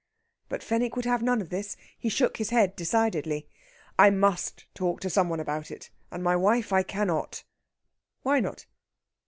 But Fenwick would have none of this. He shook his head decidedly. "I must talk to some one about it. And my wife I cannot...." "Why not?"